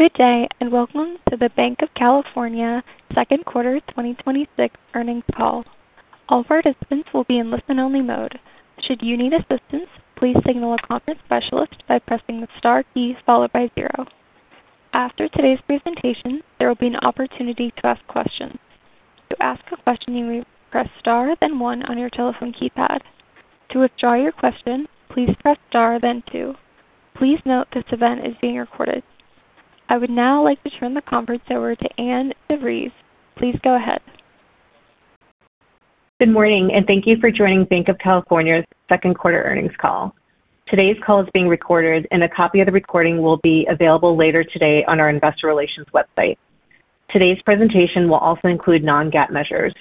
Welcome to the Banc of California second quarter 2026 earnings call. All participants will be in listen-only mode. Should you need assistance, please signal a conference specialist by pressing the star key followed by zero. After today's presentation, there will be an opportunity to ask questions. To ask a question, you may press star then one on your telephone keypad. To withdraw your question, please press star then two. Please note this event is being recorded. I would now like to turn the conference over to Ann DeVries. Please go ahead. Thank you for joining Banc of California's second quarter earnings call. Today's call is being recorded, and a copy of the recording will be available later today on our investor relations website. Today's presentation will also include non-GAAP measures.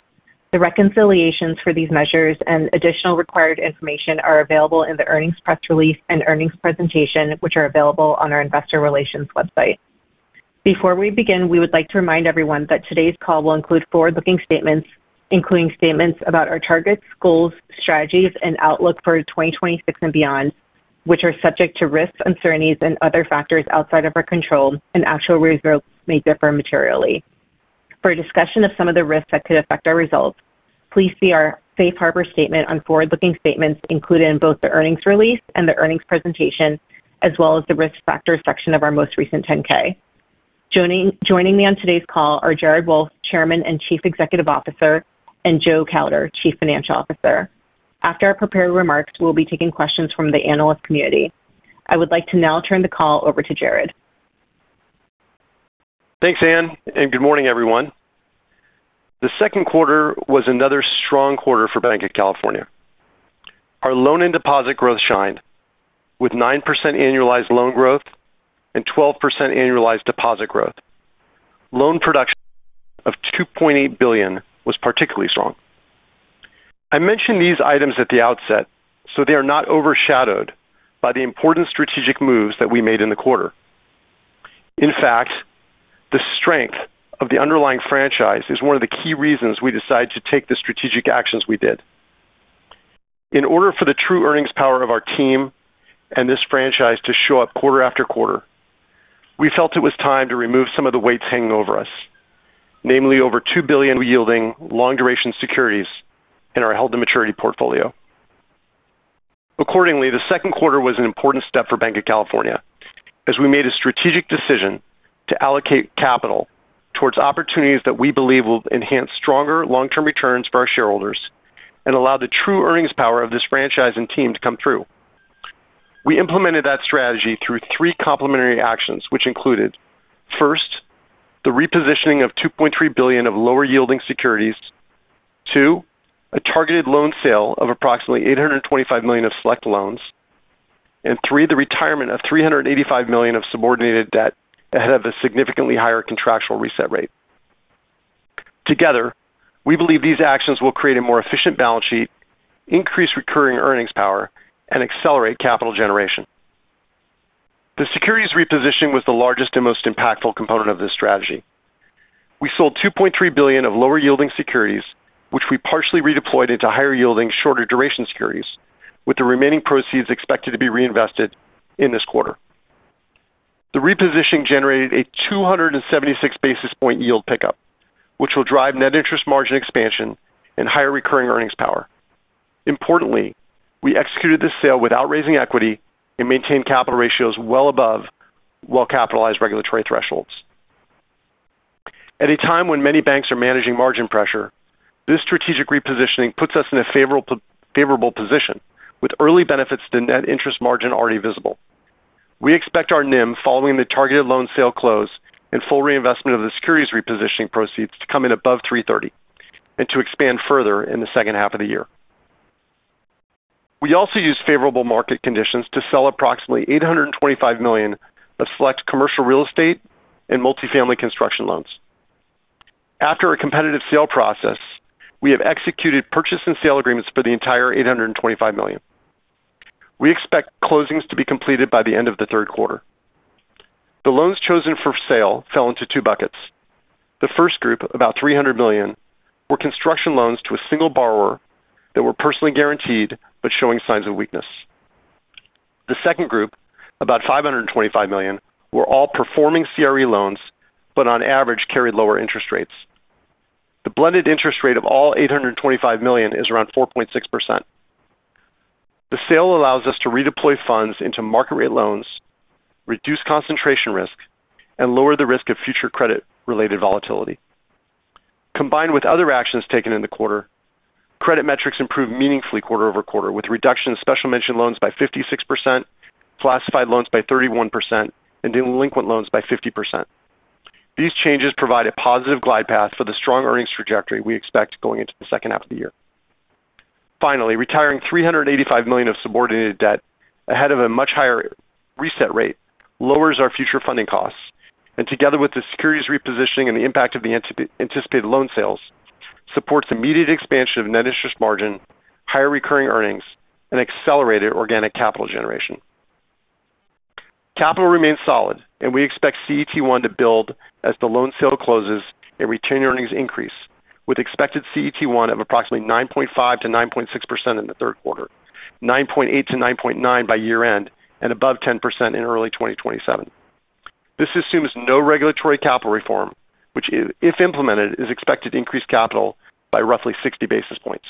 The reconciliations for these measures and additional required information are available in the earnings press release and earnings presentation, which are available on our investor relations website. Before we begin, we would like to remind everyone that today's call will include forward-looking statements, including statements about our targets, goals, strategies, and outlook for 2026 and beyond, which are subject to risks, uncertainties, and other factors outside of our control, and actual results may differ materially. For a discussion of some of the risks that could affect our results, please see our safe harbor statement on forward-looking statements included in both the earnings release and the earnings presentation, as well as the risk factors section of our most recent 10-K. Joining me on today's call are Jared Wolff, Chairman and Chief Executive Officer, and Joe Kauder, Chief Financial Officer. After our prepared remarks, we'll be taking questions from the analyst community. I would like to now turn the call over to Jared. Thanks, Ann, and good morning, everyone. The second quarter was another strong quarter for Banc of California. Our loan and deposit growth shined, with 9% annualized loan growth and 12% annualized deposit growth. Loan production of $2.8 billion was particularly strong. I mention these items at the outset so they are not overshadowed by the important strategic moves that we made in the quarter. In fact, the strength of the underlying franchise is one of the key reasons we decided to take the strategic actions we did. In order for the true earnings power of our team and this franchise to show up quarter after quarter, we felt it was time to remove some of the weights hanging over us, namely over $2 billion yielding long-duration securities in our held-to-maturity portfolio. Accordingly, the second quarter was an important step for Banc of California as we made a strategic decision to allocate capital towards opportunities that we believe will enhance stronger long-term returns for our shareholders and allow the true earnings power of this franchise and team to come through. We implemented that strategy through three complementary actions, which included, first, the repositioning of $2.3 billion of lower-yielding securities. Two, a targeted loan sale of approximately $825 million of select loans. Three, the retirement of $385 million of subordinated debt that had a significantly higher contractual reset rate. Together, we believe these actions will create a more efficient balance sheet, increase recurring earnings power, and accelerate capital generation. The securities reposition was the largest and most impactful component of this strategy. We sold $2.3 billion of lower-yielding securities, which we partially redeployed into higher-yielding, shorter duration securities, with the remaining proceeds expected to be reinvested in this quarter. The repositioning generated a 276 basis point yield pickup, which will drive net interest margin expansion and higher recurring earnings power. Importantly, we executed the sale without raising equity and maintained capital ratios well above well-capitalized regulatory thresholds. At a time when many banks are managing margin pressure, this strategic repositioning puts us in a favorable position with early benefits to net interest margin already visible. We expect our NIM following the targeted loan sale close and full reinvestment of the securities repositioning proceeds to come in above 330 basis points and to expand further in the second half of the year. We also used favorable market conditions to sell approximately $825 million of select commercial real estate and multifamily construction loans. After a competitive sale process, we have executed purchase and sale agreements for the entire $825 million. We expect closings to be completed by the end of the third quarter. The loans chosen for sale fell into two buckets. The first group, about $300 million, were construction loans to a single borrower that were personally guaranteed but showing signs of weakness. The second group, about $525 million, were all performing CRE loans, but on average carried lower interest rates. The blended interest rate of all $825 million is around 4.6%. The sale allows us to redeploy funds into market-rate loans, reduce concentration risk, and lower the risk of future credit-related volatility. Combined with other actions taken in the quarter, credit metrics improved meaningfully quarter-over-quarter, with reduction in special mention loans by 56%, classified loans by 31%, and in delinquent loans by 50%. These changes provide a positive glide path for the strong earnings trajectory we expect going into the second half of the year. Finally, retiring $385 million of subordinated debt ahead of a much higher reset rate lowers our future funding costs. Together with the securities repositioning and the impact of the anticipated loan sales, supports immediate expansion of net interest margin, higher recurring earnings, and accelerated organic capital generation. Capital remains solid, and we expect CET1 to build as the loan sale closes and return earnings increase. With expected CET1 of approximately 9.5%-9.6% in the third quarter, 9.8%-9.9% by year-end, and above 10% in early 2027. This assumes no regulatory capital reform, which, if implemented, is expected to increase capital by roughly 60 basis points.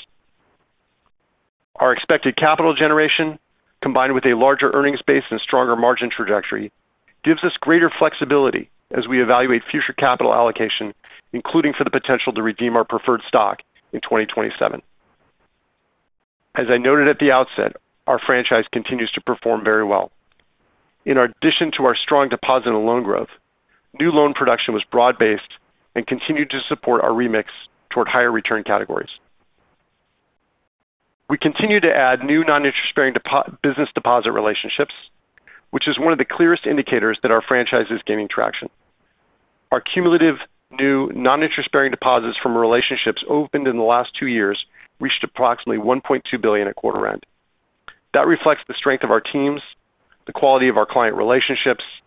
Our expected capital generation, combined with a larger earnings base and stronger margin trajectory, gives us greater flexibility as we evaluate future capital allocation, including for the potential to redeem our preferred stock in 2027. As I noted at the outset, our franchise continues to perform very well. In addition to our strong deposit and loan growth, new loan production was broad-based and continued to support our remix toward higher return categories. We continue to add new non-interest-bearing business deposit relationships, which is one of the clearest indicators that our franchise is gaining traction. Our cumulative new non-interest-bearing deposits from relationships opened in the last two years reached approximately $1.2 billion at quarter end. That reflects the strength of our teams, the quality of our client relationships, and the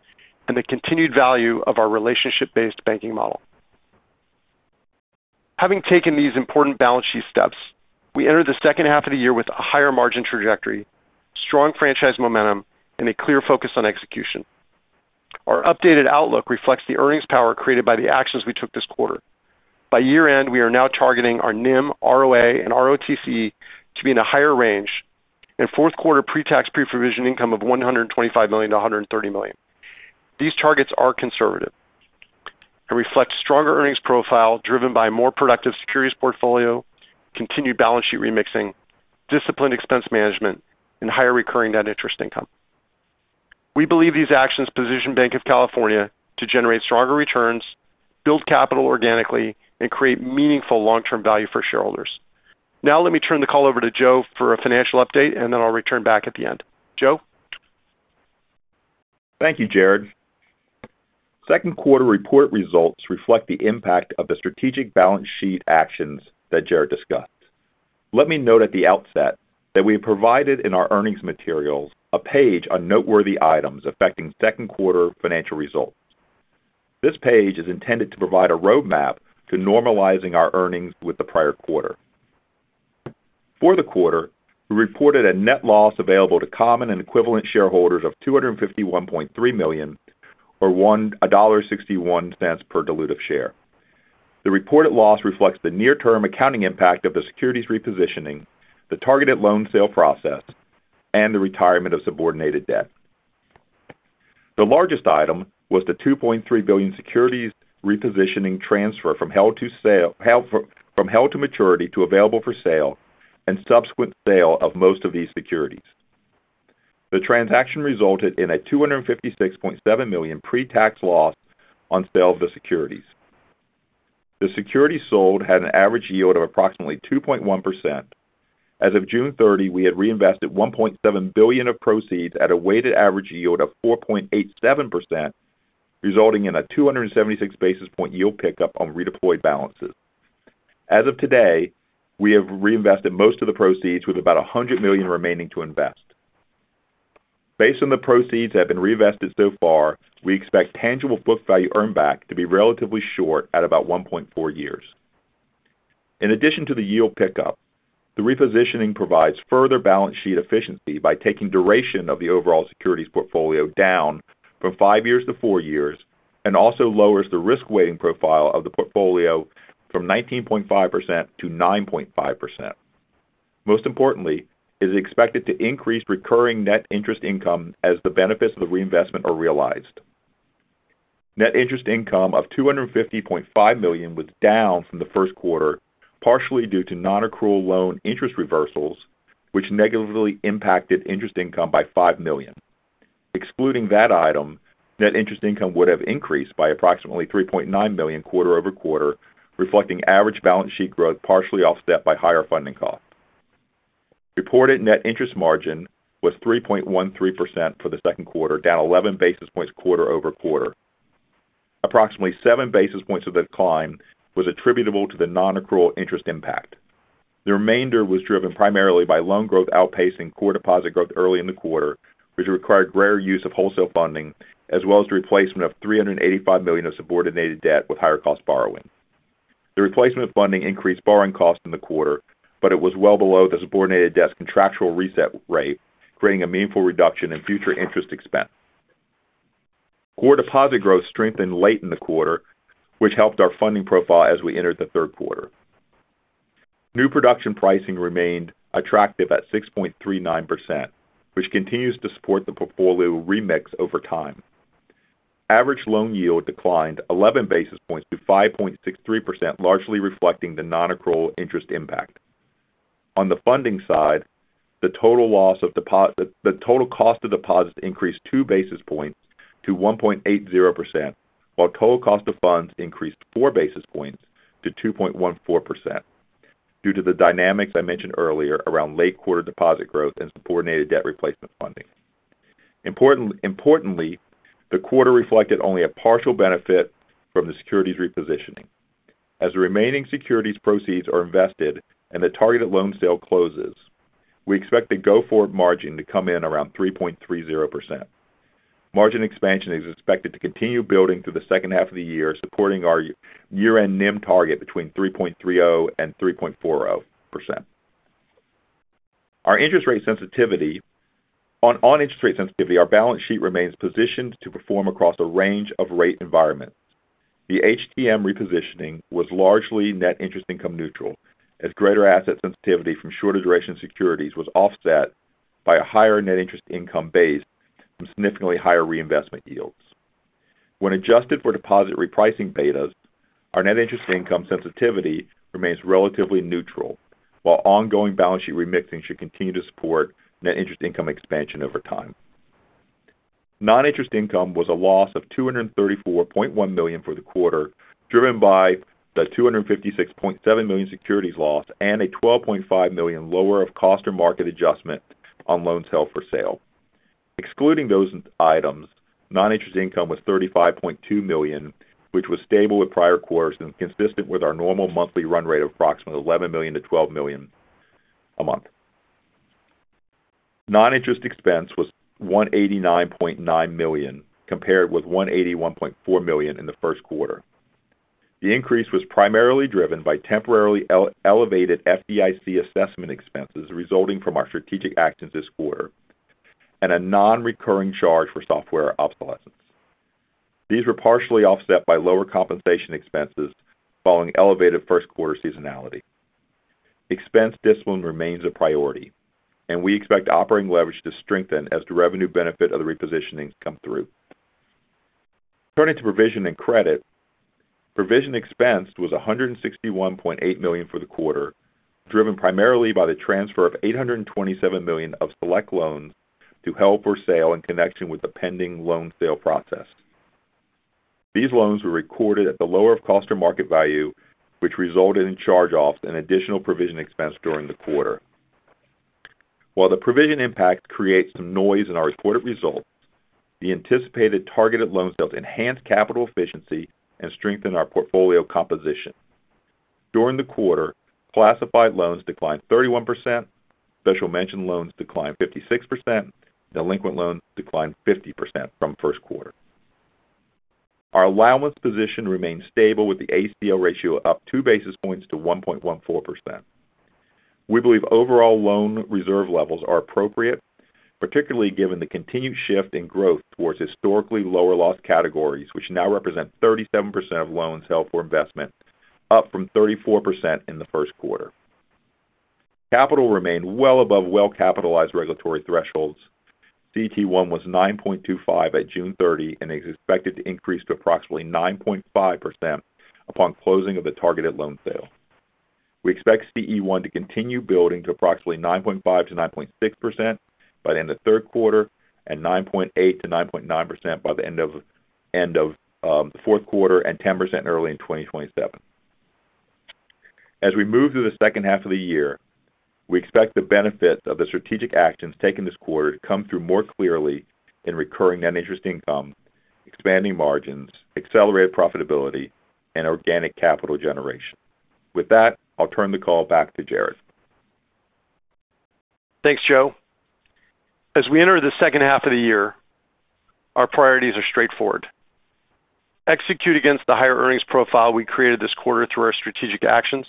continued value of our relationship-based banking model. Having taken these important balance sheet steps, we enter the second half of the year with a higher margin trajectory, strong franchise momentum, and a clear focus on execution. Our updated outlook reflects the earnings power created by the actions we took this quarter. By year end, we are now targeting our NIM, ROA, and ROTCE to be in a higher range, and fourth quarter pre-tax, pre-provision income of $125 million to $130 million. These targets are conservative and reflect stronger earnings profile driven by a more productive securities portfolio, continued balance sheet remixing, disciplined expense management, and higher recurring net interest income. We believe these actions position Banc of California to generate stronger returns, build capital organically, and create meaningful long-term value for shareholders. Let me turn the call over to Joe for a financial update, and then I'll return back at the end. Joe? Thank you, Jared. Second quarter report results reflect the impact of the strategic balance sheet actions that Jared discussed. Let me note at the outset that we have provided in our earnings materials a page on noteworthy items affecting second quarter financial results. This page is intended to provide a roadmap to normalizing our earnings with the prior quarter. For the quarter, we reported a net loss available to common and equivalent shareholders of $251.3 million or $1.61 per dilutive share. The reported loss reflects the near-term accounting impact of the securities repositioning, the targeted loan sale process, and the retirement of subordinated debt. The largest item was the $2.3 billion securities repositioning transfer from held to maturity to available for sale, and subsequent sale of most of these securities. The transaction resulted in a $256.7 million pre-tax loss on sale of the securities. The securities sold had an average yield of approximately 2.1%. As of June 30, we had reinvested $1.7 billion of proceeds at a weighted average yield of 4.87%, resulting in a 276 basis point yield pickup on redeployed balances. As of today, we have reinvested most of the proceeds with about $100 million remaining to invest. Based on the proceeds that have been reinvested so far, we expect tangible book value earn back to be relatively short at about 1.4 years. In addition to the yield pickup, the repositioning provides further balance sheet efficiency by taking duration of the overall securities portfolio down from five years to four years, and also lowers the risk weighting profile of the portfolio from 19.5% to 9.5%. Most importantly, it is expected to increase recurring net interest income as the benefits of the reinvestment are realized. Net interest income of $250.5 million was down from the first quarter, partially due to non-accrual loan interest reversals, which negatively impacted interest income by $5 million. Excluding that item, net interest income would have increased by approximately $3.9 million quarter-over-quarter, reflecting average balance sheet growth partially offset by higher funding costs. Reported net interest margin was 3.13% for the second quarter, down 11 basis points quarter-over-quarter. Approximately seven basis points of the decline was attributable to the non-accrual interest impact. The remainder was driven primarily by loan growth outpacing core deposit growth early in the quarter, which required rare use of wholesale funding, as well as the replacement of $385 million of subordinated debt with higher cost borrowing. The replacement funding increased borrowing costs in the quarter. It was well below the subordinated debt's contractual reset rate, creating a meaningful reduction in future interest expense. Core deposit growth strengthened late in the quarter, which helped our funding profile as we entered the third quarter. New production pricing remained attractive at 6.39%, which continues to support the portfolio remix over time. Average loan yield declined 11 basis points to 5.63%, largely reflecting the non-accrual interest impact. On the funding side, the total cost of deposits increased two basis points to 1.80%, while total cost of funds increased four basis points to 2.14% due to the dynamics I mentioned earlier around late quarter deposit growth and subordinated debt replacement funding. Importantly, the quarter reflected only a partial benefit from the securities repositioning. As the remaining securities proceeds are invested and the targeted loan sale closes, we expect the go-forward margin to come in around 3.30%. Margin expansion is expected to continue building through the second half of the year, supporting our year-end NIM target between 3.30%-3.40%. On interest rate sensitivity, our balance sheet remains positioned to perform across a range of rate environments. The HTM repositioning was largely net interest income neutral, as greater asset sensitivity from shorter duration securities was offset by a higher net interest income base from significantly higher reinvestment yields. When adjusted for deposit repricing betas, our net interest income sensitivity remains relatively neutral, while ongoing balance sheet remixing should continue to support net interest income expansion over time. Non-interest income was a loss of $234.1 million for the quarter, driven by the $256.7 million securities loss and a $12.5 million lower of cost or market adjustment on loans held for sale. Excluding those items, non-interest income was $35.2 million, which was stable with prior quarters and consistent with our normal monthly run rate of approximately $11 million-$12 million a month. Non-interest expense was $189.9 million compared with $181.4 million in the first quarter. The increase was primarily driven by temporarily elevated FDIC assessment expenses resulting from our strategic actions this quarter and a non-recurring charge for software obsolescence. These were partially offset by lower compensation expenses following elevated first quarter seasonality. Expense discipline remains a priority. We expect operating leverage to strengthen as the revenue benefit of the repositioning come through. Turning to provision and credit. Provision expense was $161.8 million for the quarter, driven primarily by the transfer of $827 million of select loans to held for sale in connection with the pending loan sale process. These loans were recorded at the lower of cost or market value, which resulted in charge-offs and additional provision expense during the quarter. While the provision impact creates some noise in our reported results, the anticipated targeted loan sales enhance capital efficiency and strengthen our portfolio composition. During the quarter, classified loans declined 31%, special mention loans declined 56%, delinquent loans declined 50% from first quarter. Our allowance position remains stable with the ACL ratio up two basis points to 1.14%. We believe overall loan reserve levels are appropriate, particularly given the continued shift in growth towards historically lower loss categories, which now represent 37% of loans held for investment, up from 34% in the first quarter. Capital remained well above well-capitalized regulatory thresholds. CET1 was 9.25% at June 30 and is expected to increase to approximately 9.5% upon closing of the targeted loan sale. We expect CET1 to continue building to approximately 9.5%-9.6% by the end of the third quarter and 9.8%-9.9% by the end of fourth quarter and 10% early in 2027. As we move through the second half of the year, we expect the benefits of the strategic actions taken this quarter to come through more clearly in recurring net interest income, expanding margins, accelerated profitability, and organic capital generation. With that, I'll turn the call back to Jared. Thanks, Joe. As we enter the second half of the year, our priorities are straightforward. Execute against the higher earnings profile we created this quarter through our strategic actions,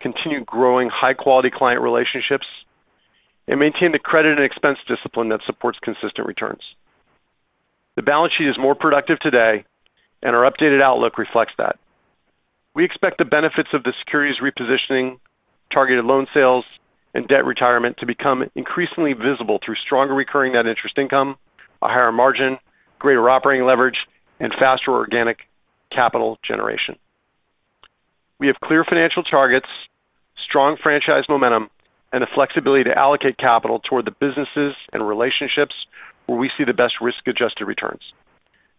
continue growing high-quality client relationships, and maintain the credit and expense discipline that supports consistent returns. The balance sheet is more productive today, and our updated outlook reflects that. We expect the benefits of the securities repositioning, targeted loan sales, and debt retirement to become increasingly visible through stronger recurring net interest income, a higher margin, greater operating leverage, and faster organic capital generation. We have clear financial targets, strong franchise momentum, and the flexibility to allocate capital toward the businesses and relationships where we see the best risk-adjusted returns.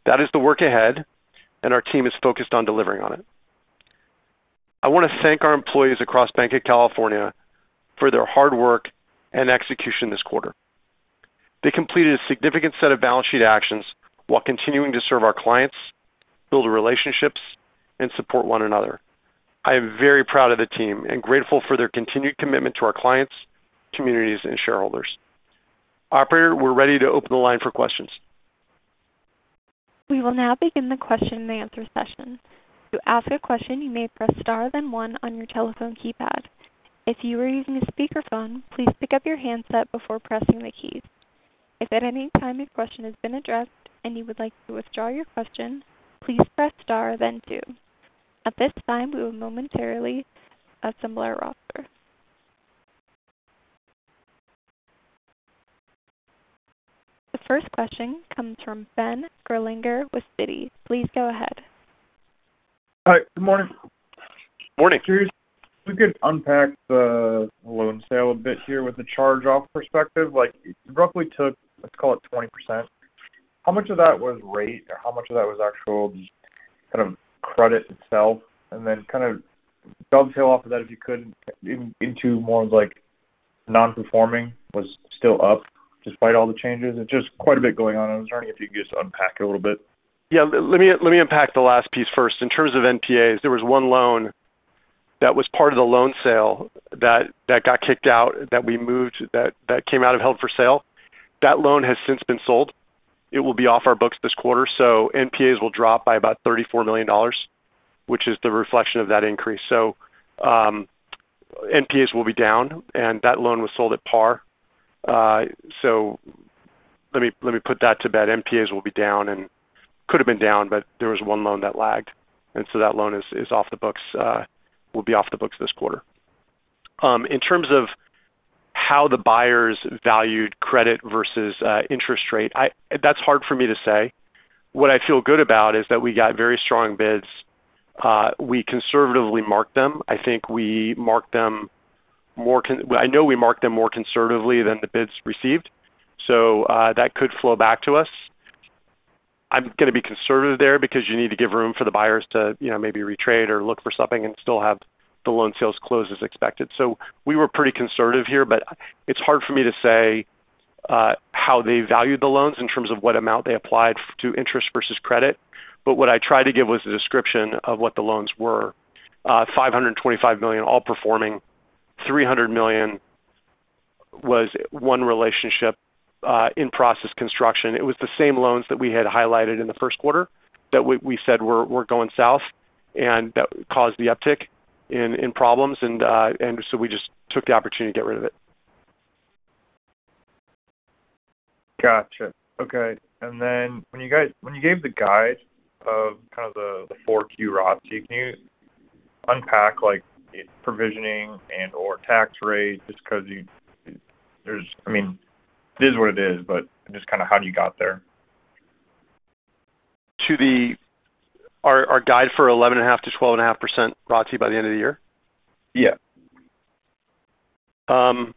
That is the work ahead, and our team is focused on delivering on it. I want to thank our employees across Banc of California for their hard work and execution this quarter. They completed a significant set of balance sheet actions while continuing to serve our clients, build relationships, and support one another. I am very proud of the team and grateful for their continued commitment to our clients, communities, and shareholders. Operator, we're ready to open the line for questions. We will now begin the question-and-answer session. To ask a question, you may press star then one on your telephone keypad. If you are using a speakerphone, please pick up your handset before pressing the keys. If at any time your question has been addressed and you would like to withdraw your question, please press star then two. At this time, we will momentarily assemble our roster. The first question comes from Ben Gerlinger with Citi. Please go ahead. Hi, good morning. Morning. Curious if you could unpack the loan sale a bit here with the charge-off perspective. Like roughly took, let's call it 20%. How much of that was rate or how much of that was actual just kind of credit itself? And then kind of dovetail off of that, if you could, into more of like non-performing was still up despite all the changes. It's just quite a bit going on. I was wondering if you could just unpack it a little bit. Yeah. Let me unpack the last piece first. In terms of NPAs, there was one loan that was part of the loan sale that got kicked out, that we moved, that came out of held for sale. That loan has since been sold. It will be off our books this quarter, so NPAs will drop by about $34 million, which is the reflection of that increase. NPAs will be down, and could've been down, but there was one loan that lagged, and so that loan will be off the books this quarter. In terms of how the buyers valued credit versus interest rate, that's hard for me to say. What I feel good about is that we got very strong bids. We conservatively marked them. I know we marked them more conservatively than the bids received, so that could flow back to us. I'm going to be conservative there because you need to give room for the buyers to maybe re-trade or look for something and still have the loan sales close as expected. We were pretty conservative here, but it's hard for me to say how they valued the loans in terms of what amount they applied to interest versus credit. What I tried to give was a description of what the loans were. $525 million all performing. $300 million was one relationship in process construction. It was the same loans that we had highlighted in the first quarter that we said were going south and that caused the uptick in problems and so we just took the opportunity to get rid of it. Got you. Okay. When you gave the guide of kind of the Q4 ROTCE, can you unpack like provisioning and/or tax rate? Because it is what it is, but just kind of how you got there. To our guide for 11.5%-12.5% ROTCE by the end of the year? Yeah. I'm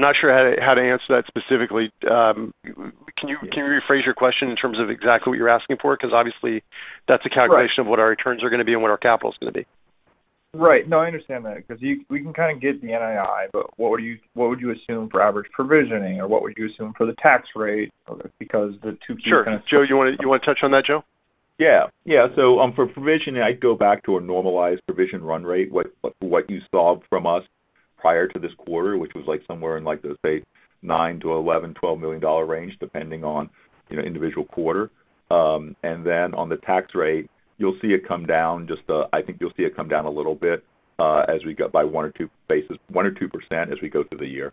not sure how to answer that specifically. Can you rephrase your question in terms of exactly what you're asking for? Obviously that's a calculation. Right Of what our returns are going to be and what our capital's going to be. Right. No, I understand that because we can kind of get the NII. What would you assume for average provisioning or what would you assume for the tax rate? Sure. Joe, you want to touch on that, Joe? Yeah. For provisioning, I'd go back to a normalized provision run rate. What you saw from us prior to this quarter, which was like somewhere in like the, say, $9 million-$11 million, $12 million range, depending on individual quarter. Then on the tax rate, I think you'll see it come down a little bit by 1% or 2% as we go through the year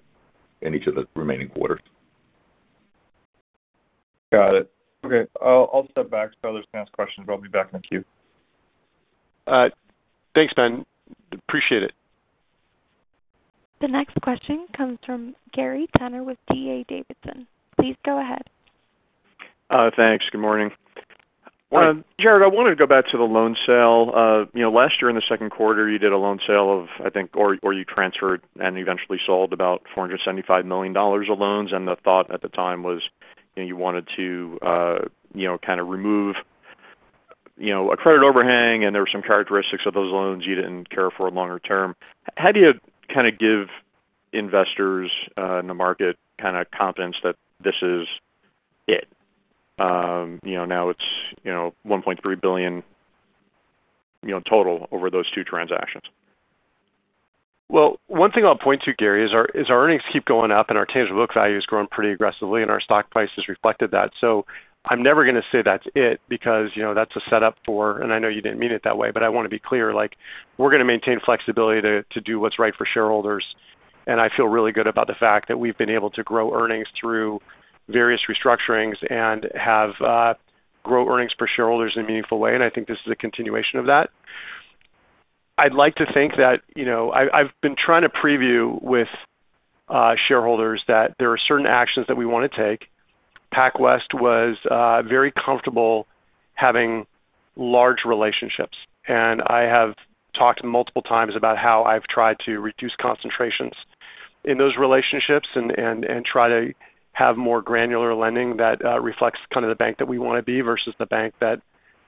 in each of the remaining quarters. Got it. Okay. I'll step back so others can ask questions, but I'll be back in the queue. Thanks, Ben. Appreciate it. The next question comes from Gary Tenner with D.A. Davidson. Please go ahead. Thanks. Good morning. Morning. Jared, I wanted to go back to the loan sale. Last year in the second quarter, you did a loan sale of, I think, or you transferred and eventually sold about $475 million of loans. The thought at the time was you wanted to kind of remove a credit overhang, and there were some characteristics of those loans you didn't care for longer term. How do you give investors in the market confidence that this is it? Now it's $1.3 billion in total over those two transactions. One thing I'll point to, Gary, is our earnings keep going up. Our tangible book value's grown pretty aggressively. Our stock price has reflected that. I'm never going to say that's it because that's a setup for, I know you didn't mean it that way, but I want to be clear, we're going to maintain flexibility to do what's right for shareholders. I feel really good about the fact that we've been able to grow earnings through various restructurings and have grow earnings per shareholders in a meaningful way. I think this is a continuation of that. I've been trying to preview with shareholders that there are certain actions that we want to take. PacWest was very comfortable having large relationships. I have talked multiple times about how I've tried to reduce concentrations in those relationships and try to have more granular lending that reflects the bank that we want to be versus the bank that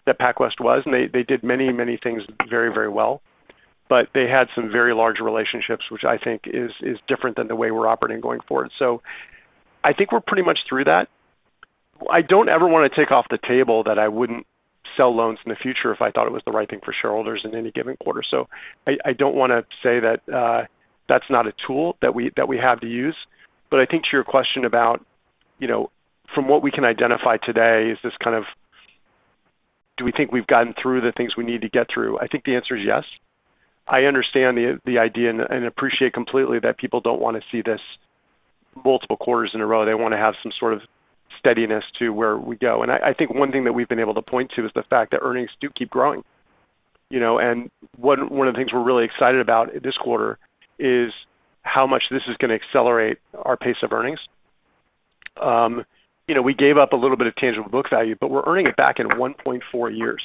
PacWest was. They did many things very well, but they had some very large relationships, which I think is different than the way we're operating going forward. I think we're pretty much through that. I don't ever want to take off the table that I wouldn't sell loans in the future if I thought it was the right thing for shareholders in any given quarter. I don't want to say that that's not a tool that we have to use. I think to your question about from what we can identify today, do we think we've gotten through the things we need to get through? I think the answer is yes. I understand the idea and appreciate completely that people don't want to see this multiple quarters in a row. They want to have some sort of steadiness to where we go. I think one thing that we've been able to point to is the fact that earnings do keep growing. One of the things we're really excited about this quarter is how much this is going to accelerate our pace of earnings. We gave up a little bit of tangible book value, but we're earning it back in 1.4 years.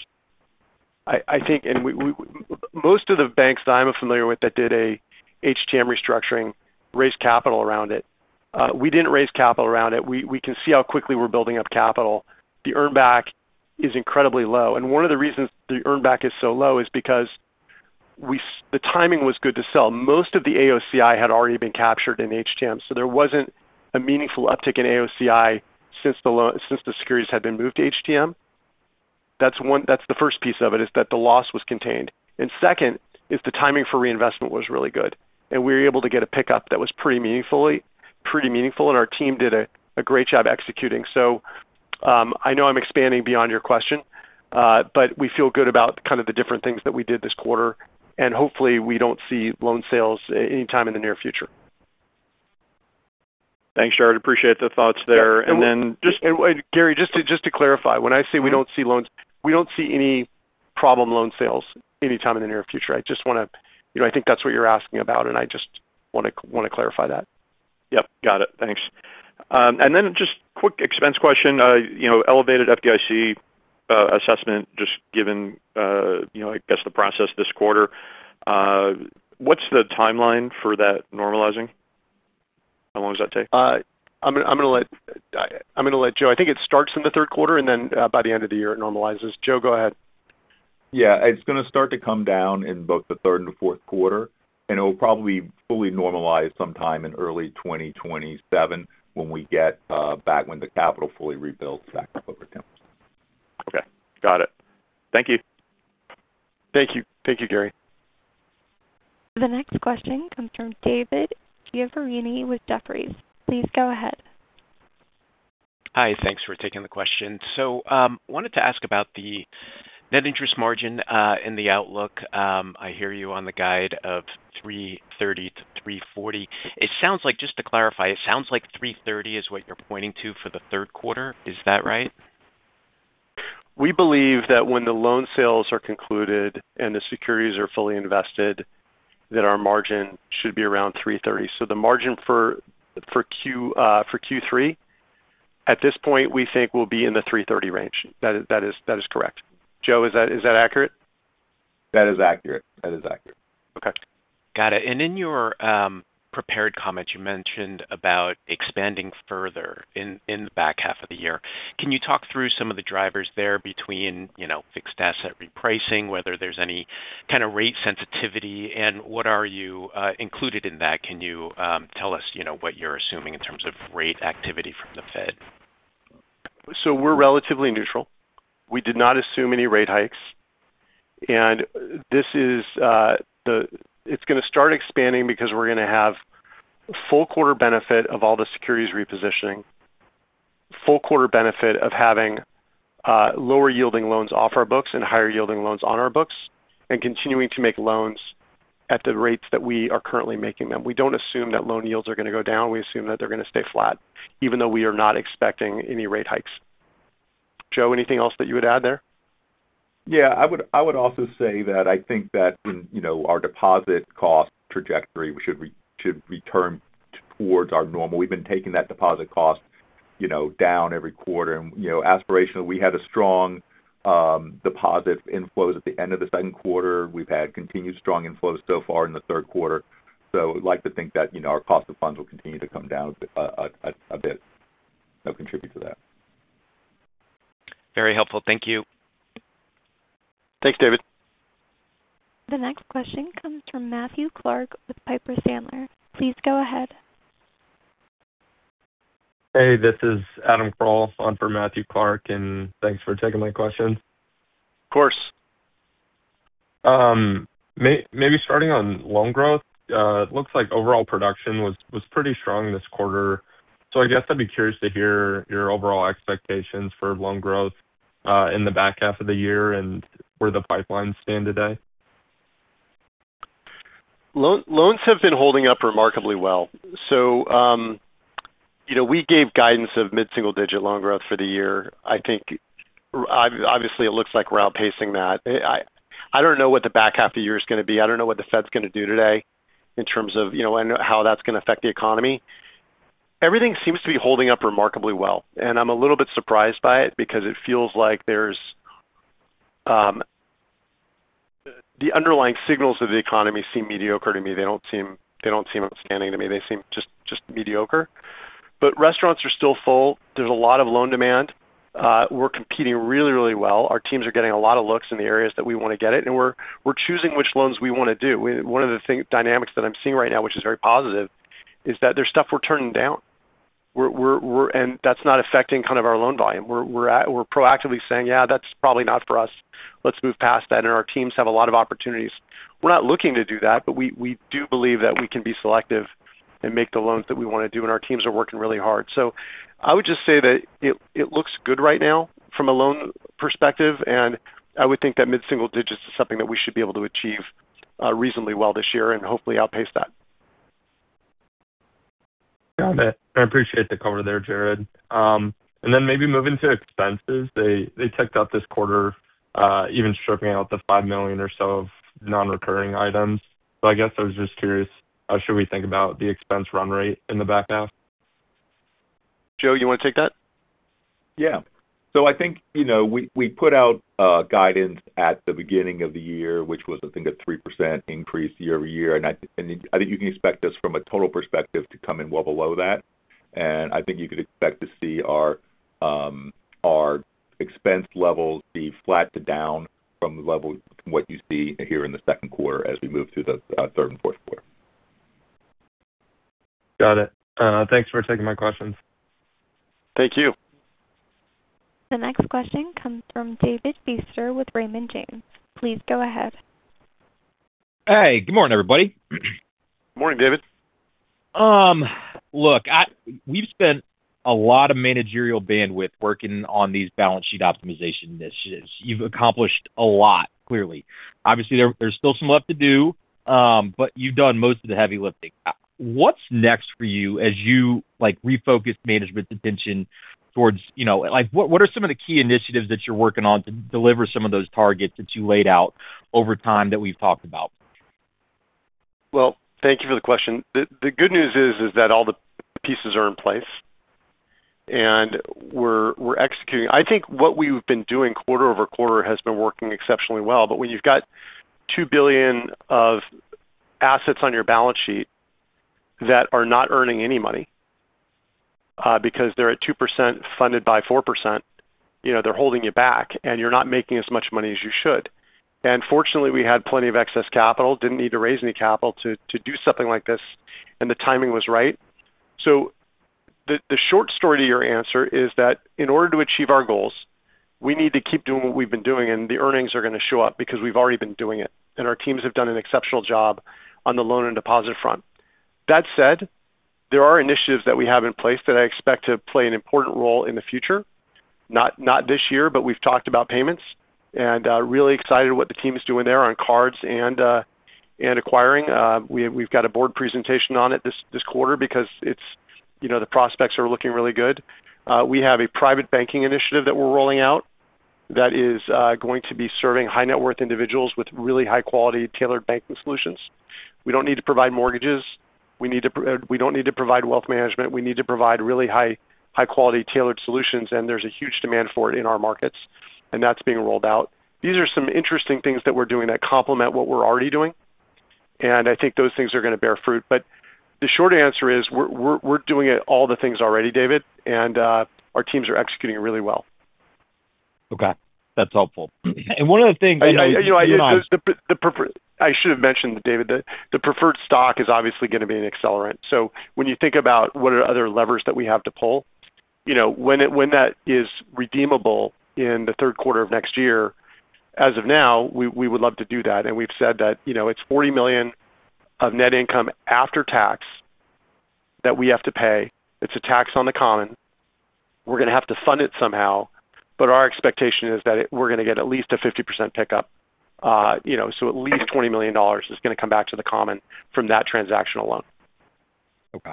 Most of the banks that I'm familiar with that did a HTM restructuring raised capital around it. We didn't raise capital around it. We can see how quickly we're building up capital. The earn back is incredibly low. One of the reasons the earn back is so low is because the timing was good to sell. Most of the AOCI had already been captured in HTM, so there wasn't a meaningful uptick in AOCI since the securities had been moved to HTM. That's the first piece of it, is that the loss was contained. Second, is the timing for reinvestment was really good. We were able to get a pickup that was pretty meaningful, and our team did a great job executing. I know I'm expanding beyond your question, but we feel good about kind of the different things that we did this quarter, and hopefully we don't see loan sales anytime in the near future. Thanks, Jared. Appreciate the thoughts there. Gary, just to clarify, when I say we don't see loans, we don't see any problem loan sales anytime in the near future. I think that's what you're asking about, and I just want to clarify that. Yep. Got it. Thanks. Then just quick expense question. Elevated FDIC assessment just given, I guess, the process this quarter. What's the timeline for that normalizing? How long does that take? I'm going to let Joe. I think it starts in the third quarter, then by the end of the year, it normalizes. Joe, go ahead. Yeah. It's going to start to come down in both the third and the fourth quarter. It'll probably fully normalize sometime in early 2027 when we get back, the capital fully rebuilds back to full capacity. Okay. Got it. Thank you. Thank you. Thank you, Gary. The next question comes from David Chiaverini with Jefferies. Please go ahead. Hi. Thanks for taking the question. Wanted to ask about the net interest margin in the outlook. I hear you on the guide of 330-340. Just to clarify, it sounds like 330 is what you're pointing to for the third quarter. Is that right? We believe that when the loan sales are concluded and the securities are fully invested, that our margin should be around 330. The margin for Q3 at this point, we think will be in the 330 range. That is correct. Joe, is that accurate? That is accurate. Okay. Got it. In your prepared comments you mentioned about expanding further in the back half of the year. Can you talk through some of the drivers there between fixed asset repricing, whether there's any kind of rate sensitivity, and what are you included in that? Can you tell us what you're assuming in terms of rate activity from the Fed? We're relatively neutral. We did not assume any rate hikes. It's going to start expanding because we're going to have full quarter benefit of all the securities repositioning, full quarter benefit of having lower yielding loans off our books and higher yielding loans on our books. Continuing to make loans at the rates that we are currently making them. We don't assume that loan yields are going to go down. We assume that they're going to stay flat, even though we are not expecting any rate hikes. Joe, anything else that you would add there? I would also say that I think that when our deposit cost trajectory should return towards our normal. We've been taking that deposit cost down every quarter. Aspirationally, we had strong deposit inflows at the end of the second quarter. We've had continued strong inflows so far in the third quarter. I'd like to think that our cost of funds will continue to come down a bit. They'll contribute to that. Very helpful. Thank you. Thanks, David. The next question comes from Matthew Clark with Piper Sandler. Please go ahead. Hey, this is Adam Butler on for Matthew Clark, and thanks for taking my question. Of course. Maybe starting on loan growth. It looks like overall production was pretty strong this quarter. I guess I'd be curious to hear your overall expectations for loan growth in the back half of the year and where the pipelines stand today. Loans have been holding up remarkably well. We gave guidance of mid-single digit loan growth for the year. Obviously, it looks like we're outpacing that. I don't know what the back half of the year is going to be. I don't know what the Fed's going to do today in terms of how that's going to affect the economy. Everything seems to be holding up remarkably well, and I'm a little bit surprised by it because it feels like the underlying signals of the economy seem mediocre to me. They don't seem outstanding to me. They seem just mediocre. Restaurants are still full. There's a lot of loan demand. We're competing really well. Our teams are getting a lot of looks in the areas that we want to get it, and we're choosing which loans we want to do. One of the dynamics that I'm seeing right now, which is very positive, is that there's stuff we're turning down. That's not affecting kind of our loan volume. We're proactively saying, "Yeah, that's probably not for us. Let's move past that." Our teams have a lot of opportunities. We're not looking to do that, but we do believe that we can be selective and make the loans that we want to do, and our teams are working really hard. I would just say that it looks good right now from a loan perspective, and I would think that mid-single digits is something that we should be able to achieve reasonably well this year and hopefully outpace that. Got it. I appreciate the color there, Jared. Maybe moving to expenses. They ticked up this quarter, even stripping out the $5 million or so of non-recurring items. I guess I was just curious, how should we think about the expense run rate in the back half? Joe, you want to take that? I think we put out guidance at the beginning of the year, which was I think a 3% increase year-over-year, and I think you can expect us from a total perspective to come in well below that. I think you could expect to see our expense levels be flat to down from the level from what you see here in the second quarter as we move through the third and fourth quarter. Got it. Thanks for taking my questions. Thank you. The next question comes from David Feaster with Raymond James. Please go ahead. Hey, good morning, everybody. Morning, David. Look, we've spent a lot of managerial bandwidth working on these balance sheet optimization initiatives. You've accomplished a lot, clearly. Obviously, there's still some left to do, but you've done most of the heavy lifting. What's next for you as you refocus management's attention, what are some of the key initiatives that you're working on to deliver some of those targets that you laid out over time that we've talked about? Well, thank you for the question. The good news is that all the pieces are in place and we're executing. I think what we've been doing quarter-over-quarter has been working exceptionally well. When you've got $2 billion of assets on your balance sheet that are not earning any money because they're at 2% funded by 4%, they're holding you back, and you're not making as much money as you should. Fortunately, we had plenty of excess capital, didn't need to raise any capital to do something like this, and the timing was right. The short story to your answer is that in order to achieve our goals, we need to keep doing what we've been doing, and the earnings are going to show up because we've already been doing it. Our teams have done an exceptional job on the loan and deposit front. That said, there are initiatives that we have in place that I expect to play an important role in the future. Not this year, but we've talked about payments. Really excited what the team is doing there on cards and acquiring. We've got a board presentation on it this quarter because the prospects are looking really good. We have a private banking initiative that we're rolling out that is going to be serving high-net-worth individuals with really high-quality tailored banking solutions. We don't need to provide mortgages. We don't need to provide wealth management. We need to provide really high-quality tailored solutions, and there's a huge demand for it in our markets, and that's being rolled out. These are some interesting things that we're doing that complement what we're already doing, and I think those things are going to bear fruit. The short answer is we're doing all the things already, David. Our teams are executing really well. Okay. That's helpful. I should have mentioned, David, that the preferred stock is obviously going to be an accelerant. When you think about what are other levers that we have to pull, when that is redeemable in the third quarter of next year, as of now, we would love to do that. We've said that it's $40 million of net income after tax that we have to pay. It's a tax on the common. We're going to have to fund it somehow, but our expectation is that we're going to get at least a 50% pickup. At least $20 million is going to come back to the common from that transaction alone. Okay.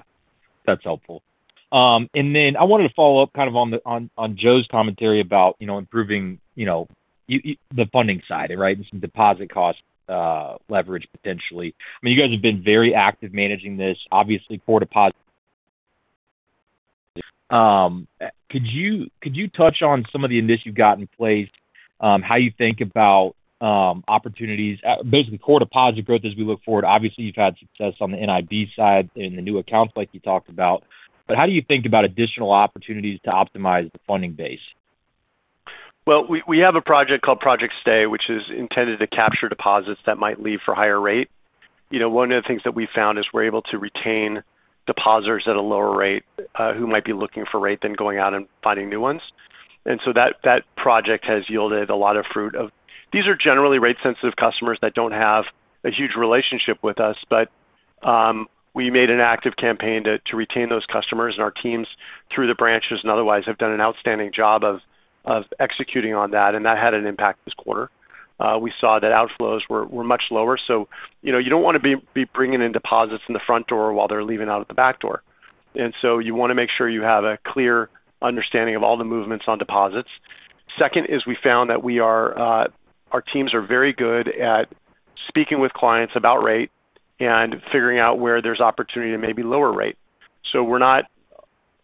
That's helpful. I wanted to follow up on Joe's commentary about improving the funding side and some deposit cost leverage potentially. I mean, you guys have been very active managing this, obviously core deposit. Could you touch on some of the initiatives you've got in place, how you think about opportunities, basically core deposit growth as we look forward? Obviously, you've had success on the NIB side and the new accounts like you talked about, how do you think about additional opportunities to optimize the funding base? Well, we have a project called Project Stay, which is intended to capture deposits that might leave for higher rate. One of the things that we've found is we're able to retain depositors at a lower rate who might be looking for rate than going out and finding new ones. That project has yielded a lot of fruit. These are generally rate-sensitive customers that don't have a huge relationship with us. We made an active campaign to retain those customers, and our teams through the branches and otherwise have done an outstanding job of executing on that. That had an impact this quarter. We saw that outflows were much lower. You don't want to be bringing in deposits in the front door while they're leaving out at the back door. You want to make sure you have a clear understanding of all the movements on deposits. Second, we found that our teams are very good at speaking with clients about rate and figuring out where there's opportunity to maybe lower rate. We're not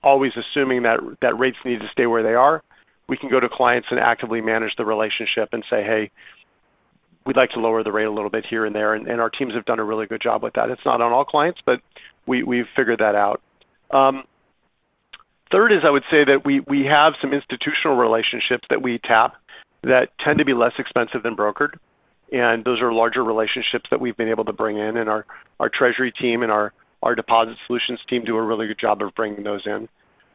always assuming that rates need to stay where they are. We can go to clients and actively manage the relationship and say, "Hey, we'd like to lower the rate a little bit here and there." Our teams have done a really good job with that. It's not on all clients, but we've figured that out. Third, I would say that we have some institutional relationships that we tap that tend to be less expensive than brokered, and those are larger relationships that we've been able to bring in. Our treasury team and our deposit solutions team do a really good job of bringing those in.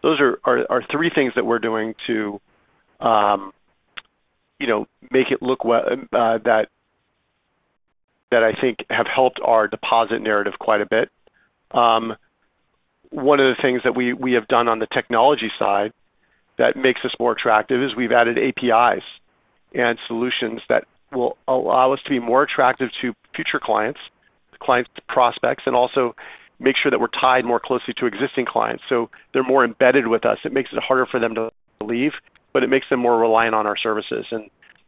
Those are our three things that we're doing to make it look well that I think have helped our deposit narrative quite a bit. One of the things that we have done on the technology side that makes us more attractive is we've added APIs and solutions that will allow us to be more attractive to future clients, prospects, and also make sure that we're tied more closely to existing clients. They're more embedded with us. It makes it harder for them to leave, but it makes them more reliant on our services.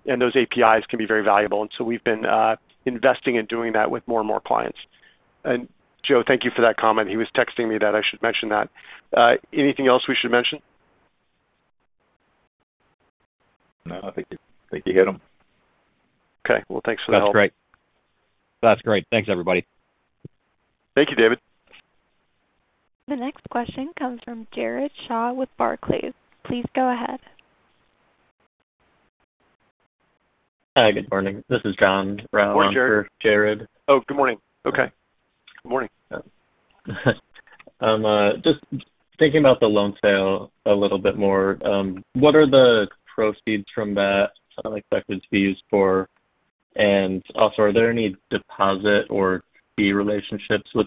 Those APIs can be very valuable. We've been investing in doing that with more and more clients. Joe, thank you for that comment. He was texting me that I should mention that. Anything else we should mention? No, I think you hit him. Okay. Well, thanks for the help. That's great. Thanks, everybody. Thank you, David. The next question comes from Jared Shaw with Barclays. Please go ahead. Hi, good morning. This is John Brown. Morning, John. For Jared. Oh, good morning. Okay. Good morning. Just thinking about the loan sale a little bit more. What are the proceeds from that expected to be used for? Also, are there any deposit or fee relationships with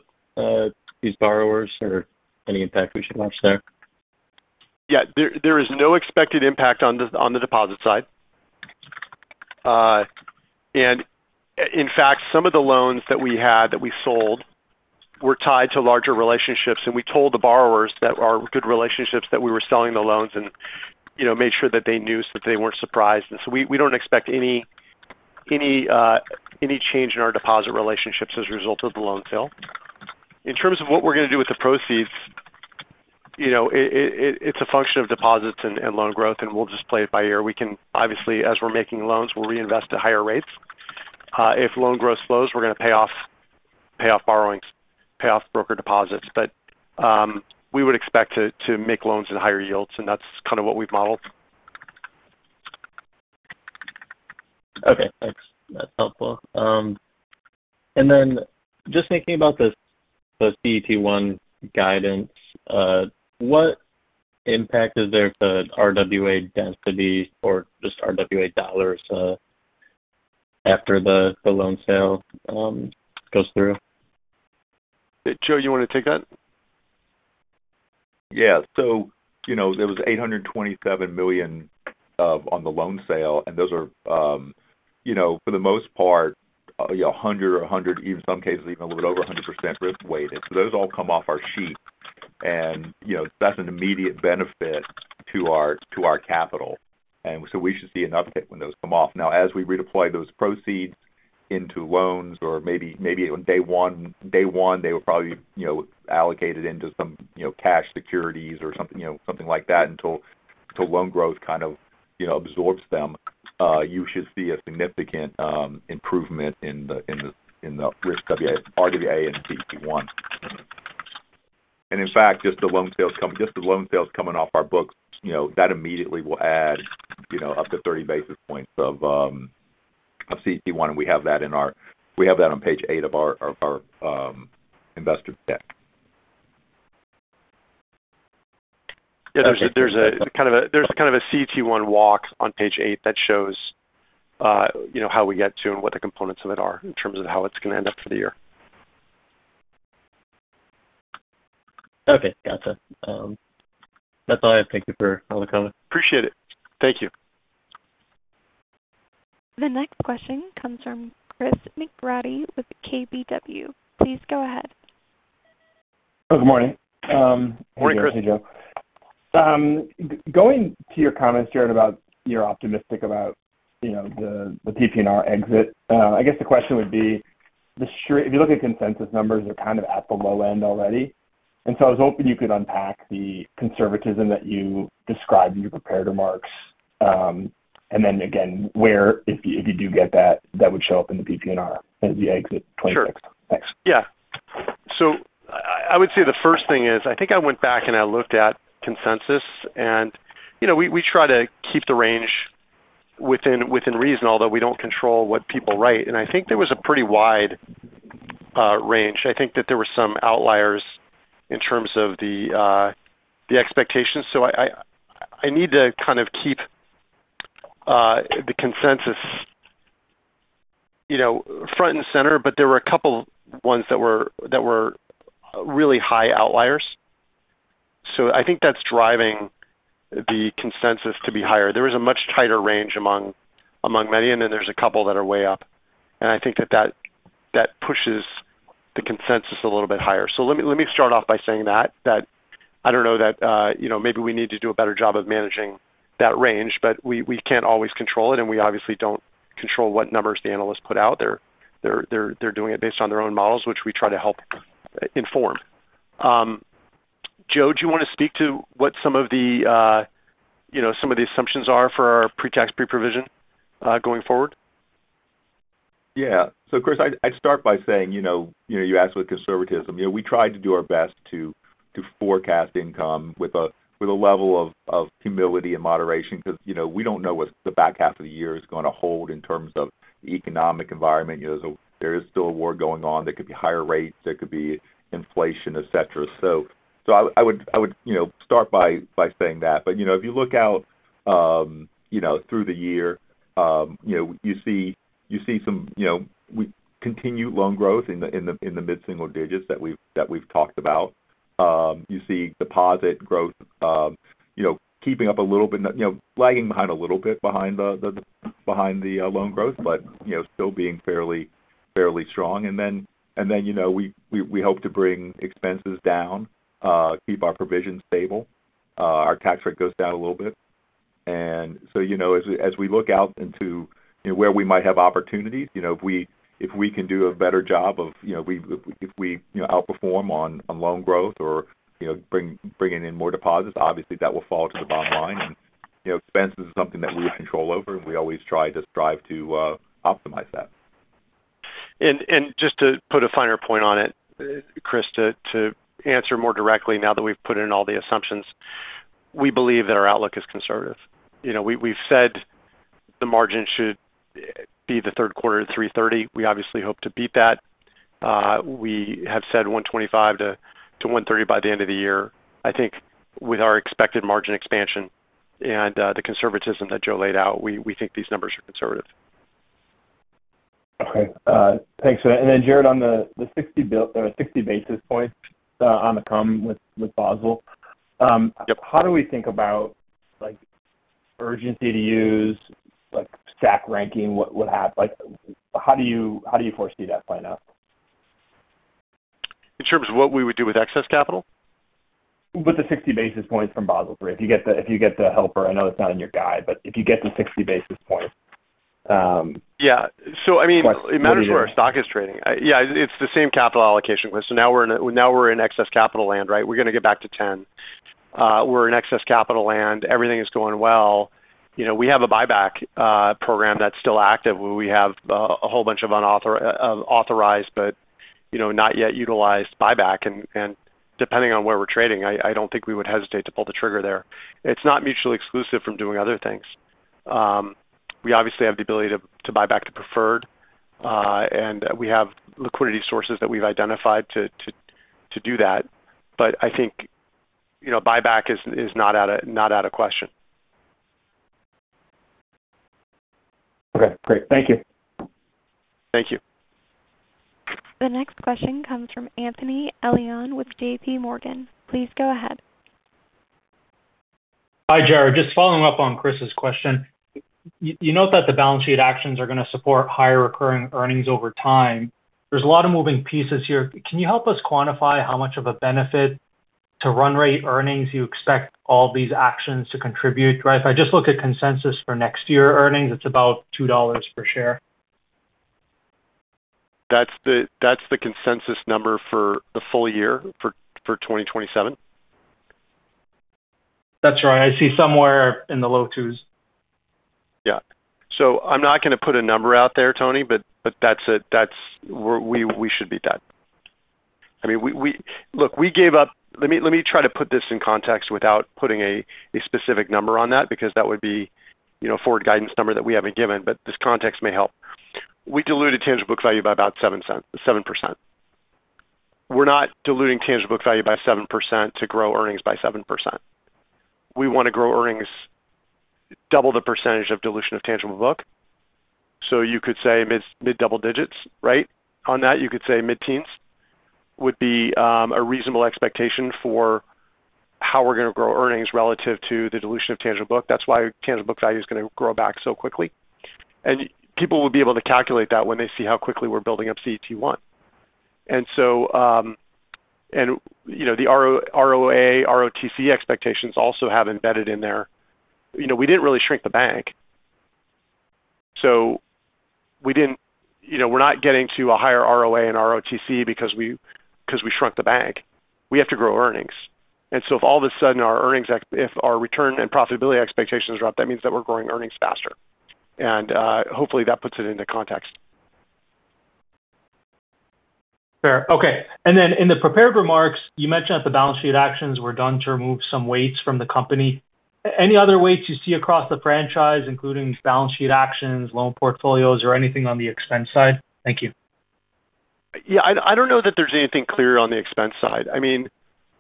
these borrowers or any impact we should watch there? Yeah. There is no expected impact on the deposit side. In fact, some of the loans that we had that we sold were tied to larger relationships, and we told the borrowers that are good relationships that we were selling the loans and made sure that they knew so that they weren't surprised. So we don't expect any change in our deposit relationships as a result of the loan sale. In terms of what we're going to do with the proceeds, it's a function of deposits and loan growth, and we'll just play it by ear. We can, obviously, as we're making loans, we'll reinvest at higher rates. If loan growth slows, we're going to pay off borrowings, pay off broker deposits. We would expect to make loans at higher yields, and that's kind of what we've modeled. Okay, thanks. That's helpful. Then just thinking about the CET1 guidance, what impact is there to RWA density or just RWA dollars after the loan sale goes through? Joe, you want to take that? Yeah. There was $827 million on the loan sale, and those are for the most part, 100% or, in some cases, even a little bit over 100% risk-weighted. Those all come off our sheet and that's an immediate benefit to our capital. We should see an uptick when those come off. Now as we redeploy those proceeds into loans or maybe on day one they were probably allocated into some cash securities or something like that until loan growth kind of absorbs them. You should see a significant improvement in the RWA and CET1. In fact, just the loan sales coming off our books, that immediately will add up to 30 basis points of CET1. We have that on page eight of our investor deck. Yeah. There's a kind of a CET1 walk on page eight that shows how we get to and what the components of it are in terms of how it's going to end up for the year. Okay. Gotcha. That's all I have. Thank you for all the comment. Appreciate it. Thank you. The next question comes from Chris McGratty with KBW. Please go ahead. Oh, good morning. Morning, Chris. Hey, Joe. Going to your comments, Jared, about you're optimistic about the PPNR exit. I guess the question would be, if you look at consensus numbers, they're kind of at the low end already. I was hoping you could unpack the conservatism that you described in your prepared remarks. Again, where if you do get that would show up in the PPNR as you exit 2026. Sure. Thanks. I would say the first thing is, I think I went back and I looked at consensus, We try to keep the range within reason, although we don't control what people write. I think there was a pretty wide range. I think that there were some outliers in terms of the expectations. I need to kind of keep the consensus front and center. There were a couple ones that were really high outliers. I think that's driving the consensus to be higher. There was a much tighter range among many, Then there's a couple that are way up. I think that pushes the consensus a little bit higher. Let me start off by saying that. I don't know that maybe we need to do a better job of managing that range, but we can't always control it. We obviously don't control what numbers the analysts put out. They're doing it based on their own models, which we try to help inform. Joe, do you want to speak to what some of the assumptions are for our pre-tax pre-provision going forward? Yeah. Chris, I'd start by saying, you asked about conservatism. We try to do our best to forecast income with a level of humility and moderation because we don't know what the back half of the year is going to hold in terms of the economic environment. There is still a war going on. There could be higher rates, there could be inflation, et cetera. I would start by saying that. If you look out through the year, you see continued loan growth in the mid-single digits that we've talked about. You see deposit growth lagging behind a little bit behind the loan growth but still being fairly strong. Then we hope to bring expenses down, keep our provisions stable. Our tax rate goes down a little bit. As we look out into where we might have opportunities, if we can do a better job of if we outperform on loan growth or bringing in more deposits, obviously that will fall to the bottom line. Expenses is something that we have control over, and we always try to strive to optimize that. Just to put a finer point on it, Chris, to answer more directly now that we've put in all the assumptions, we believe that our outlook is conservative. We've said the margin should be the third quarter at 330. We obviously hope to beat that. We have said 125 to 130 by the end of the year. I think with our expected margin expansion and the conservatism that Joe laid out, we think these numbers are conservative. Okay. Thanks. Jared, on the 60 basis points on the come with Basel. Yep. How do we think about urgency to use, like stack ranking, how do you foresee that playing out? In terms of what we would do with excess capital? With the 60 basis points from Basel III. If you get the helper, I know it's not in your guide, but if you get the 60 basis points. Yeah. I mean. What do you do there? It matters where our stock is trading. Yeah, it's the same capital allocation. Now we're in excess capital land, right? We're going to get back to 10. We're in excess capital land. Everything is going well. We have a buyback program that's still active, where we have a whole bunch of authorized but not yet utilized buyback. Depending on where we're trading, I don't think we would hesitate to pull the trigger there. It's not mutually exclusive from doing other things. We obviously have the ability to buy back the preferred, and we have liquidity sources that we've identified to do that. I think buyback is not out of question. Okay, great. Thank you. Thank you. The next question comes from Anthony Elian with JPMorgan. Please go ahead. Hi, Jared. Just following up on Chris's question. You note that the balance sheet actions are going to support higher recurring earnings over time. There's a lot of moving pieces here. Can you help us quantify how much of a benefit to run rate earnings you expect all these actions to contribute? If I just look at consensus for next year earnings, it's about $2 per share. That's the consensus number for the full year for 2027? That's right. I see somewhere in the low twos. Yeah. I'm not going to put a number out there, Anthony, but that's it. We should beat that. Let me try to put this in context without putting a specific number on that, because that would be forward guidance number that we haven't given, but this context may help. We diluted tangible book value by about 7%. We're not diluting tangible book value by 7% to grow earnings by 7%. We want to grow earnings double the percentage of dilution of tangible book. You could say mid-double digits, right, on that. You could say mid-teens would be a reasonable expectation for how we're going to grow earnings relative to the dilution of tangible book. That's why tangible book value is going to grow back so quickly. People will be able to calculate that when they see how quickly we're building up CET1. The ROA, ROTCE expectations also have embedded in there. We didn't really shrink the bank. We're not getting to a higher ROA and ROTCE because we shrunk the bank. We have to grow earnings. If all of a sudden our earnings, if our return and profitability expectations are up, that means that we're growing earnings faster. Hopefully that puts it into context. Fair. Okay. Then in the prepared remarks, you mentioned that the balance sheet actions were done to remove some weights from the company. Any other weights you see across the franchise, including balance sheet actions, loan portfolios, or anything on the expense side? Thank you. Yeah, I don't know that there's anything clear on the expense side. I mean,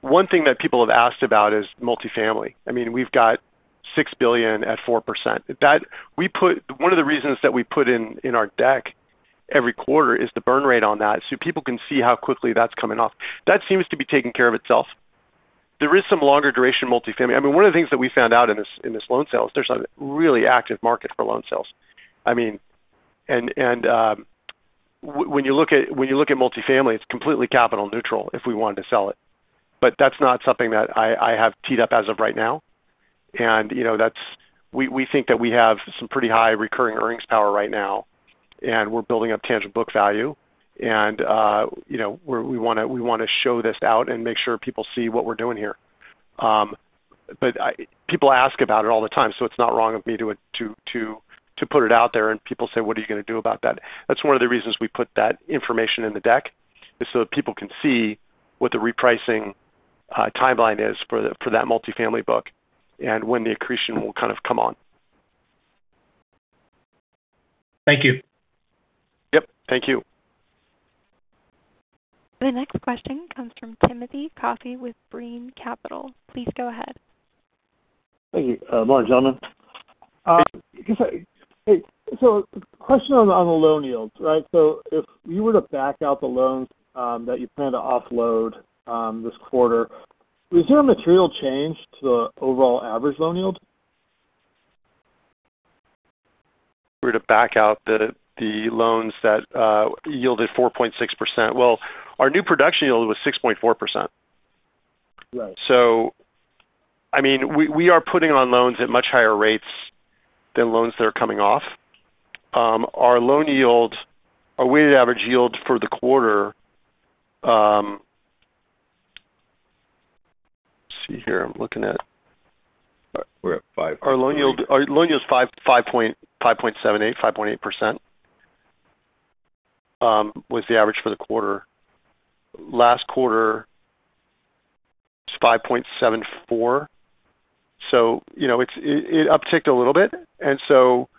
one thing that people have asked about is multifamily. I mean, we've got $6 billion at 4%. One of the reasons that we put in our deck every quarter is the burn rate on that, so people can see how quickly that's coming off. That seems to be taking care of itself. There is some longer duration multifamily. I mean, one of the things that we found out in this loan sales, there's a really active market for loan sales. When you look at multifamily, it's completely capital neutral if we wanted to sell it. That's not something that I have teed up as of right now. We think that we have some pretty high recurring earnings power right now, and we're building up tangible book value. We want to show this out and make sure people see what we're doing here. People ask about it all the time, it's not wrong of me to put it out there and people say, "What are you going to do about that?" That's one of the reasons we put that information in the deck is that people can see what the repricing timeline is for that multifamily book and when the accretion will kind of come on. Thank you. Yep. Thank you. The next question comes from Timothy Coffey with Brean Capital. Please go ahead. Thank you. Morning, gentlemen. Question on the loan yields, right? If you were to back out the loans that you plan to offload this quarter, is there a material change to the overall average loan yield? If we were to back out the loans that yielded 4.6%? Well, our new production yield was 6.4%. Right. I mean, we are putting on loans at much higher rates than loans that are coming off. Our loan yield, our weighted average yield for the quarter. We're at five- Our loan yield is 5.78%, 5.8%, was the average for the quarter. Last quarter was 5.74%. It upticked a little bit, and so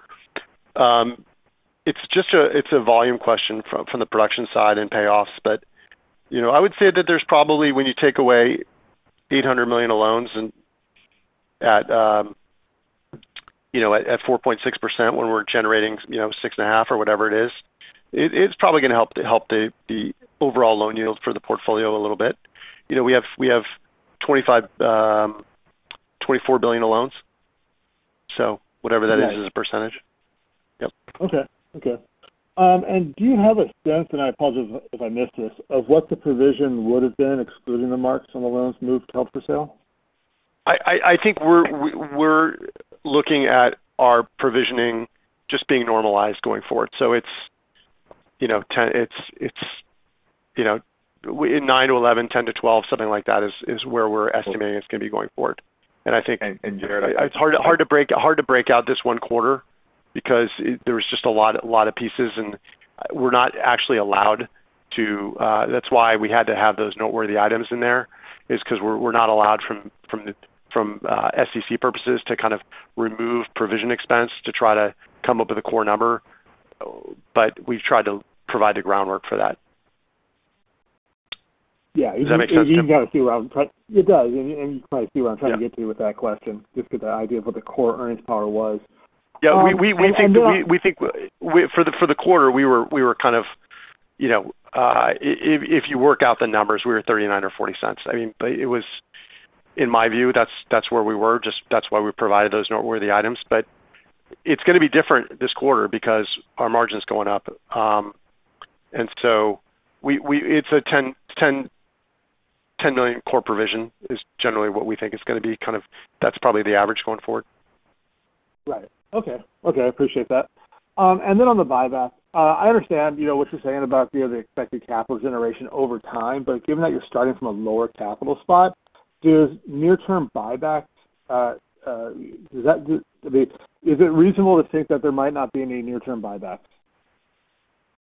it's a volume question from the production side and payoffs. I would say that there's probably, when you take away $800 million of loans at 4.6%, when we're generating 6.5% or whatever it is, it's probably going to help the overall loan yield for the portfolio a little bit. We have $24 billion of loans, whatever that is as a percentage. Yep. Okay. Do you have a sense, and I apologize if I missed this, of what the provision would've been excluding the marks on the loans moved to held for sale? I think we're looking at our provisioning just being normalized going forward. It's in 9%-11%, 10%-12%, something like that is where we're estimating it's going to be going forward. Jared. It's hard to break out this one quarter because there was just a lot of pieces, and we're not actually allowed to. That's why we had to have those noteworthy items in there, is because we're not allowed from SEC purposes to kind of remove provision expense to try to come up with a core number. We've tried to provide the groundwork for that. Yeah. Does that make sense, Timothy? It does. You can probably see what I'm trying to get to with that question, just get the idea of what the core earnings power was. Yeah. We think for the quarter, if you work out the numbers, we were $0.39 or $0.40. In my view, that's where we were. That's why we provided those noteworthy items. It's going to be different this quarter because our margin's going up. It's a $10 million core provision, is generally what we think it's going to be. That's probably the average going forward. Right. Okay. I appreciate that. On the buyback. I understand what you're saying about the expected capital generation over time. Given that you're starting from a lower capital spot, is it reasonable to think that there might not be any near-term buybacks?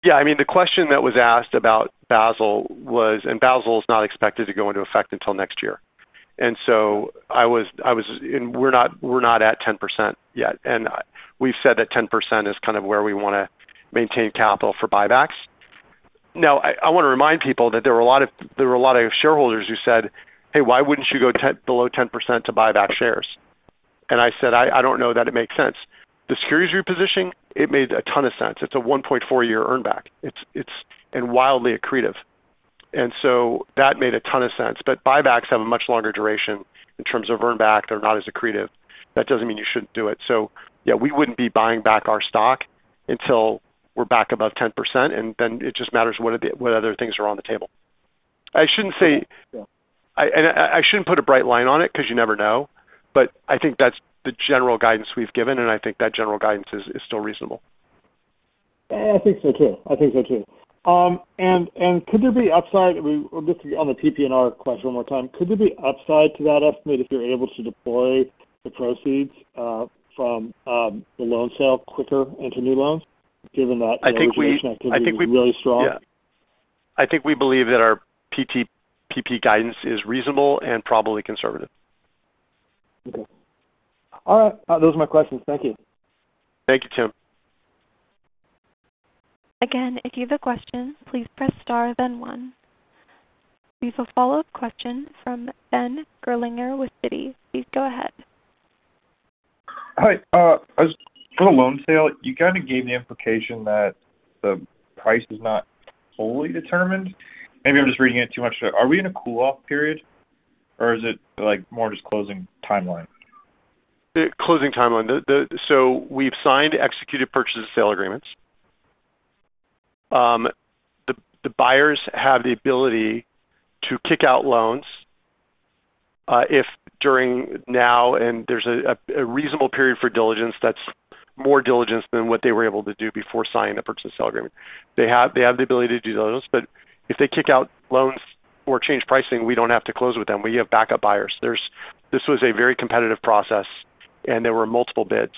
Yeah. The question that was asked about Basel was, Basel is not expected to go into effect until next year. We're not at 10% yet. We've said that 10% is kind of where we want to maintain capital for buybacks. Now, I want to remind people that there were a lot of shareholders who said, "Hey, why wouldn't you go below 10% to buy back shares?" I said, "I don't know that it makes sense." The securities reposition, it made a ton of sense. It's a 1.4-year earn back. Wildly accretive. That made a ton of sense. Buybacks have a much longer duration in terms of earn back. They're not as accretive. That doesn't mean you shouldn't do it. Yeah, we wouldn't be buying back our stock until we're back above 10%, and then it just matters what other things are on the table. I shouldn't put a bright line on it because you never know, but I think that's the general guidance we've given, and I think that general guidance is still reasonable. I think so too. Just on the PPNR question one more time. Could there be upside to that estimate if you're able to deploy the proceeds from the loan sale quicker into new loans, given that- I think we- Origination activity is really strong? Yeah. I think we believe that our PPNR guidance is reasonable and probably conservative. Okay. All right. Those are my questions. Thank you. Thank you, Timothy. Again, if you have a question, please press star then one. We have a follow-up question from Ben Gerlinger with Citi. Please go ahead. Hi. For the loan sale, you kind of gave the implication that the price is not fully determined. Maybe I'm just reading it too much. Are we in a cool-off period? Is it more just closing timeline? Closing timeline. We've signed executed purchase sale agreements. The buyers have the ability to kick out loans if during now, and there's a reasonable period for diligence that's more diligence than what they were able to do before signing the purchase sale agreement. They have the ability to do those. If they kick out loans or change pricing, we don't have to close with them. We have backup buyers. This was a very competitive process, and there were multiple bids.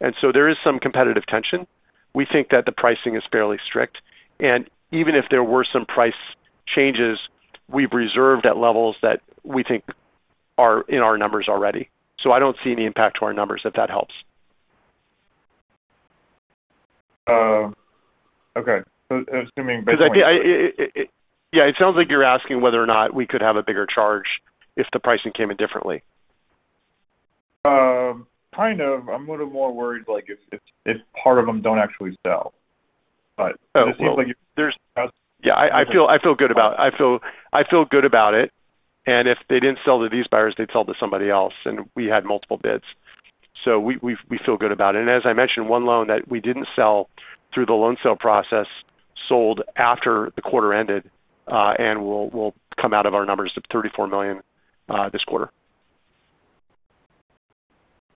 There is some competitive tension. We think that the pricing is fairly strict. Even if there were some price changes, we've reserved at levels that we think are in our numbers already. I don't see any impact to our numbers, if that helps. Okay. Assuming- Yeah, it sounds like you're asking whether or not we could have a bigger charge if the pricing came in differently. Kind of. I'm a little more worried if part of them don't actually sell. It seems like- Yeah. I feel good about it. If they didn't sell to these buyers, they'd sell to somebody else. We had multiple bids. We feel good about it. As I mentioned, one loan that we didn't sell through the loan sale process sold after the quarter ended, and will come out of our numbers of $34 million this quarter.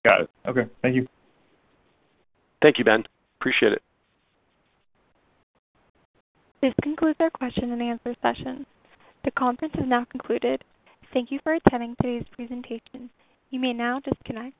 Got it. Okay. Thank you. Thank you, Ben. Appreciate it. This concludes our question-and-answer session. The conference has now concluded. Thank you for attending today's presentation. You may now disconnect.